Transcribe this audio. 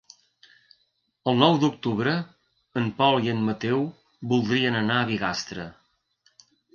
El nou d'octubre en Pol i en Mateu voldrien anar a Bigastre.